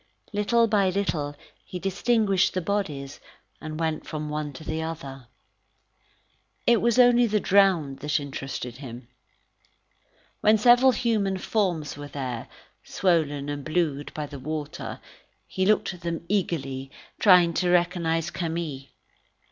Little by little he distinguished the bodies, and went from one to the other. It was only the drowned that interested him. When several human forms were there, swollen and blued by the water, he looked at them eagerly, seeking to recognise Camille.